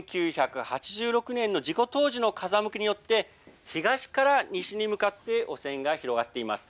１９８６年の事故当時の風向きによって東から西に向かって汚染が広がっています。